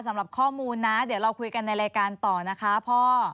สำหรับข้อมูลนะเดี๋ยวเราคุยกันในรายการต่อนะคะพ่อ